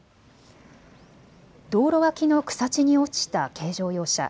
道路脇の草地に落ちた軽乗用車。